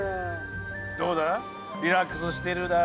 どうだリラックスしてるだろ？